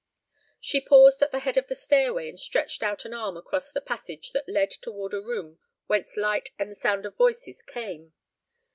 She paused at the head of the stairway, and stretched out an arm across the passage that led toward a room whence light and the sound of voices came.